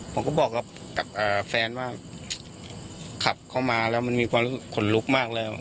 ผมก็บอกกับแฟนว่าขับเข้ามาแล้วมันมีความรู้สึกขนลุกมากแล้ว